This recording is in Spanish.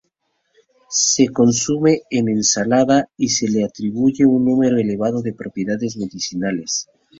Se consume en ensalada y se le atribuye un número elevado de propiedades medicinales.